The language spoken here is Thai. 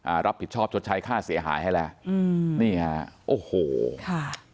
รับผิดชอบชดใช้ค่าเสียหายให้แล้วอืมนี่ฮะโอ้โหค่ะ